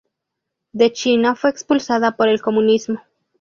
De china fue expulsada por el comunismo.